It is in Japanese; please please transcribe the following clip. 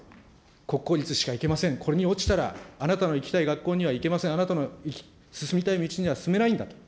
国公立しか行けません、これに落ちたらあなたの行きたい学校には行けません、あなたの進みたい道には進めないんだ。